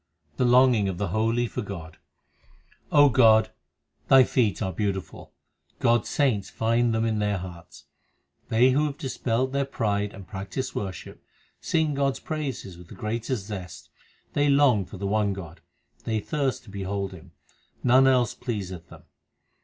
The longing of the holy for God : God, Thy feet are beautiful ; God s saints find them in their hearts. They who dispel their pride and practise worship, sing God s praises with the greatest zest : They long for the one God ; they thirst to behold Him ; none else pleaseth them.